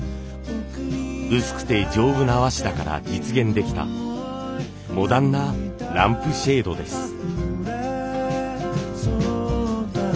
薄くて丈夫な和紙だから実現できたモダンなランプシェードです。